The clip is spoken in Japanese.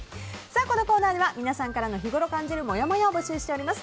このコーナーでは皆さんからの日ごろ感じるもやもやを募集しております。